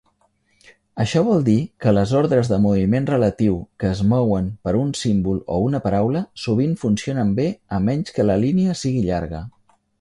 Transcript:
Això vol dir que les ordres de moviment relatiu que es mouen per un símbol o una paraula sovint funcionen bé a menys que la línia sigui llarga.